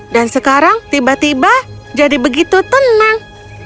dan sekarang tiba tiba jadi begitu tenang